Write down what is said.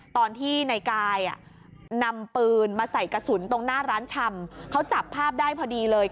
ตอนที่ในกายนำปืนมาใส่กระสุนตรงหน้าร้านชำเขาจับภาพได้พอดีเลย